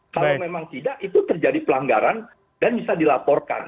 kalau memang tidak itu terjadi pelanggaran dan bisa dilaporkan